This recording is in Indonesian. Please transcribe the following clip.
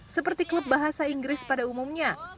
seperti klub bahasa inggris pada umumnya